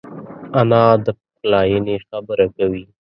انا د پخلاینې خبره کوي